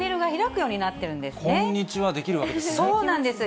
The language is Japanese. こんにちはできるわけですね。